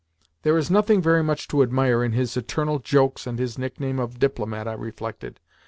"There is nothing very much to admire in his eternal jokes and his nickname of 'DIPLOMAT,'" I reflected.